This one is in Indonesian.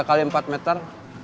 tiga kali empat meter